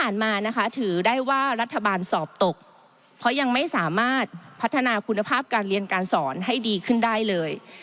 และเรียนการสอนให้ดีขึ้นได้เลย